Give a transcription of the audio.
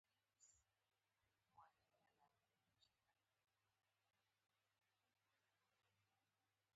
د بس دروازې باید په سفر کې وتړل شي.